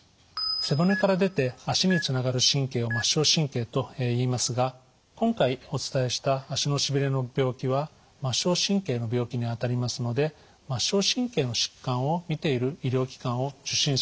背骨から出て足につながる神経を末梢神経といいますが今回お伝えした足のしびれの病気は末梢神経の病気にあたりますので末梢神経の疾患を診ている医療機関を受診するのが大切だと思います。